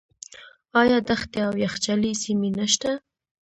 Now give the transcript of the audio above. آیا دښتې او یخچالي سیمې نشته؟